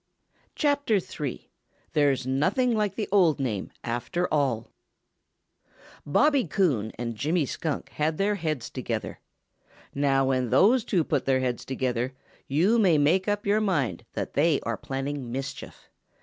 III. THERE'S NOTHING LIKE THE OLD NAME AFTER ALL |BOBBY COON and Jimmy Skunk had their heads together. Now when these two put their heads together, you may make up your mind that they are planning mischief.